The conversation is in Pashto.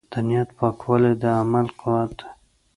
د نیت پاکوالی د عمل قوت دی.